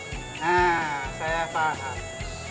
nah saya paham